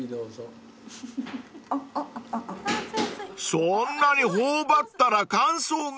［そんなに頬張ったら感想が］